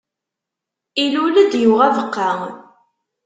Ilul-d, yuɣ abeqqa.